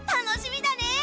楽しみだね！